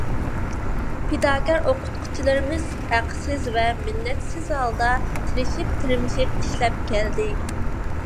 پىداكار ئوقۇتقۇچىلىرىمىز ھەقسىز ۋە مىننەتسىز ھالدا، تىرىشىپ-تىرمىشىپ ئىشلەپ كەلدى.